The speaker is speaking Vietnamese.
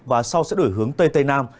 và sau sẽ đổi hướng tây tây nam